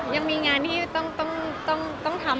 ยังมีงานที่ต้องทำ